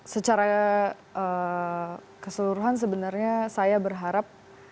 secara keseluruhan sebenarnya saya berharap